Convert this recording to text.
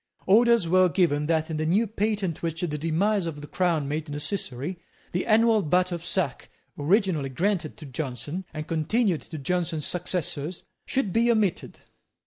Orders were given that, in the new patent which the demise of the crown made necessary, the annual butt of sack, originally granted to Jonson, and continued to Jonson's successors, should be omitted.